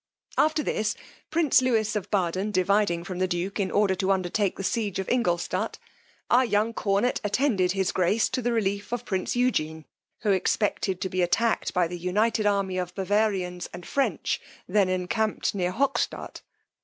After this, prince Lewis of Baden dividing from the duke, in order to undertake the siege of Ingoldstadt, our young cornet attended his grace to the relief of prince Eugene, who expected to be attacked by the united army of Bavarians and French, then encamped near Hockstadt.